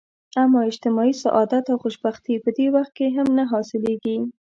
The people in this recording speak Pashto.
اما اجتماعي سعادت او خوشبختي په دې وخت هم نه حلاصیږي.